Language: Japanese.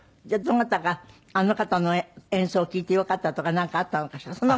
じゃあどなたかあの方の演奏を聴いてよかったとかなんかあったのかしら？